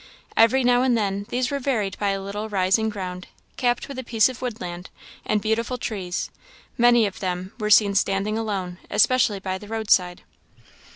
Every now and then these were varied by a little rising ground, capped with a piece of woodland; and beautiful trees, many of them, were seen standing alone, especially by the roadside.